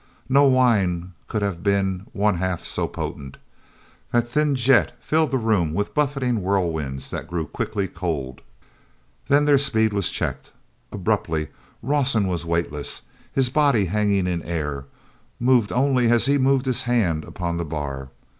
No wine could have been one half so potent. That thin jet filled the room with buffeting whirlwinds that grew quickly cold. Then their speed was checked. Abruptly Rawson was weightless, his body hanging in air, moved only as he moved his hand upon the bar.